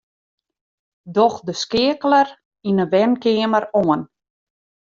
Doch de skeakeler yn 'e wenkeamer oan.